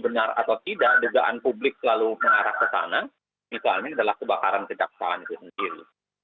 benar atau tidak dugaan publik selalu mengarah ke sana misalnya adalah kebakaran kejaksaan itu sendiri